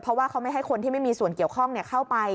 เพราะว่าเขาไม่ให้คนที่ไม่มีส่วนเกี่ยวข้องเข้าไป